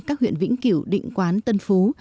các huyện vĩnh kiểu định quán tân phú